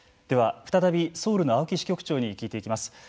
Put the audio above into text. では再びソウルの青木支局長に聞いていきます。